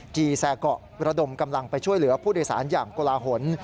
จีแซเกาะระดมกำลังไปช่วยเหลือผู้โดยสารอย่างกลาหล